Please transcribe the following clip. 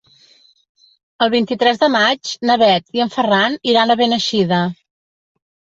El vint-i-tres de maig na Bet i en Ferran iran a Beneixida.